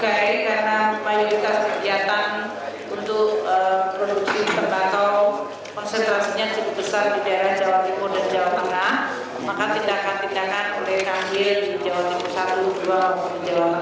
kalau dari sisi cukai karena mayoritas kegiatan untuk produksi terbatal konsentrasinya cukup besar di daerah jawa timur dan jawa tengah maka tindakan tindakan boleh diambil di jawa timur satu dua dan jawa tengah